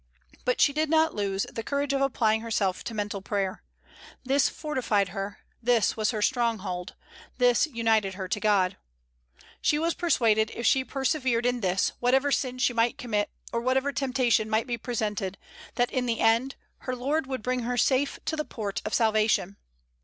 But she did not lose the courage of applying herself to mental prayer. This fortified her; this was her stronghold; this united her to God. She was persuaded if she persevered in this, whatever sin she might commit, or whatever temptation might be presented, that, in the end, her Lord would bring her safe to the port of salvation.